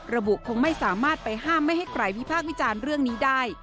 คงไม่สามารถไปห้ามไม่ให้ใครวิพากษ์วิจารณ์เรื่องนี้ได้